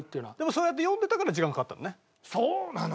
そうやって読んでたから時間かかったのね。